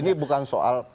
ini bukan soal